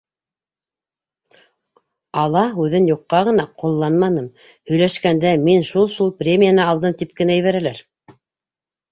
«Ала» һүҙен юҡҡа ғына ҡулланманым, һөйләшкәндә, «мин шул-шул премияны алдым», тип кенә ебәрәләр.